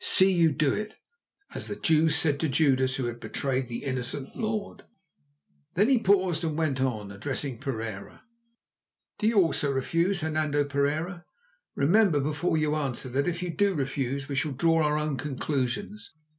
See you to it, as the Jews said to Judas who had betrayed the innocent Lord." Then he paused and went on, addressing Pereira: "Do you also refuse, Hernando Pereira? Remember before you answer that if you do refuse we shall draw our own conclusions.